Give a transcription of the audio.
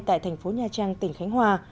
tại thành phố nhà trang tỉnh khánh hòa